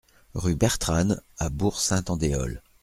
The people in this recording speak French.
Rue Bertranne à Bourg-Saint-Andéol